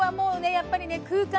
やっぱりね空間